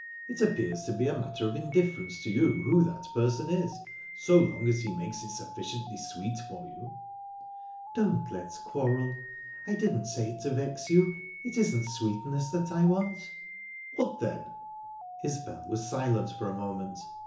It appears to be a matter of indifference to you who that person is, so long as he makes it sufficiently sweet for you." "Don't let's quarrel. I didn't say it to vex you. It isn't sweetness that I want." "What then?" Isbel was silent for a moment.